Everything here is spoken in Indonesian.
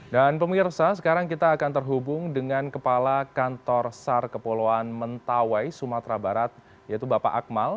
dan pemirsa sekarang kita akan terhubung dengan kepala kantor sar kepulauan mentawai sumatera barat yaitu bapak akmal